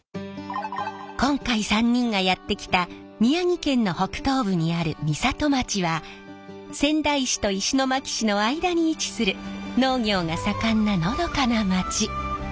今回３人がやって来た宮城県の北東部にある美里町は仙台市と石巻市の間に位置する農業が盛んなのどかな町。